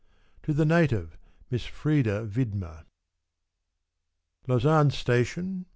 To THE Native, Miss Frieda Widmer. T AUSANNE Station.